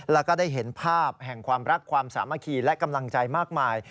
แล้วก็ได้เห็นภาพแห่งความรักความสามัคคีและกำลังใจมากมาย